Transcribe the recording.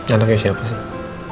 anaknya siapa sih